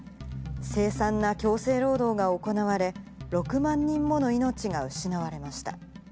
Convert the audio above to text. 凄惨な強制労働が行われ、６万人もの命が失われました。